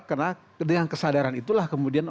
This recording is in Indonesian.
karena dengan kesadaran itulah kemudian